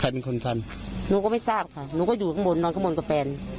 เป็นคนฟันหนูก็ไม่ทราบค่ะหนูก็อยู่ข้างบนนอนข้างบนกับแฟน